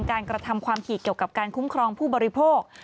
กระทำความผิดเกี่ยวกับการคุ้มครองผู้บริโภค